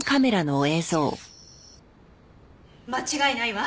間違いないわ。